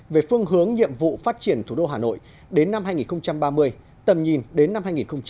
về phương hướng nhiệm vụ phát triển thủ đô hà nội đến năm hai nghìn ba mươi tầm nhìn đến năm hai nghìn bốn mươi năm